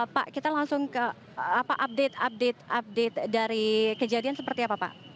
pak kita langsung ke update update update dari kejadian seperti apa pak